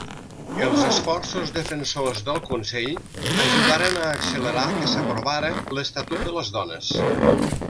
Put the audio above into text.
Els esforços defensors del consell ajudaren a accelerar que s'aprovara l'Estatut de les Dones.